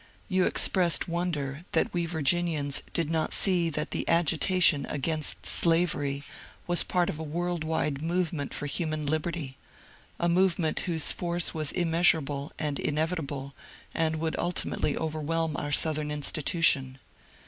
Yon expressed wonder that we Virginians did not see that the agitation against slavery was part of a world wide movement for homan liberty, — a movement whose force was immeasurable and in evitable and would ultimately overwhelm our Southern institution.